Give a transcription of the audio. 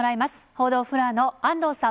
報道フロアの安藤さん。